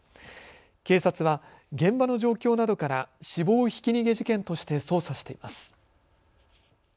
警察は現場の状況などから死亡ひき逃げ事件として捜査しています。